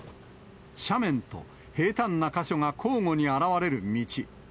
斜面と平たんな箇所が交互に現れる道。